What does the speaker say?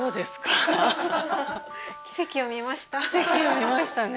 奇跡を見ましたね